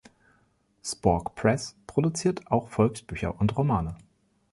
Spork Press produziert auch Volksbücher und Romane.